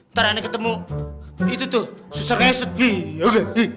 ntar aneh ketemu itu tuh suster mesot